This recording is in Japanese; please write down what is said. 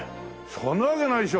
そんなわけないでしょ！